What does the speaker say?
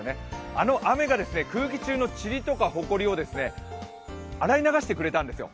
あの雨が空気中のチリとかほこりを洗い流してくれたんですよ。